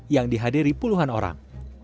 yang dihadiri puluhan orang